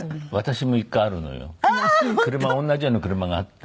車同じような車があって。